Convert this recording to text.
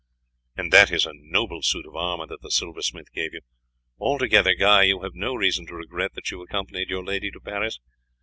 That is a noble suit of armour that the silversmith gave you. Altogether, Guy, you have no reason to regret that you accompanied your lady to Paris.